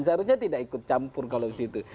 seharusnya tidak ikut campur kalau disitu